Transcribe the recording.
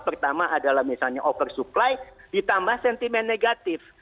pertama adalah misalnya oversupply ditambah sentimen negatif